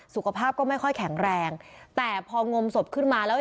สุขภาพก็ไม่ค่อยแข็งแรงแต่พองมศพขึ้นมาแล้ว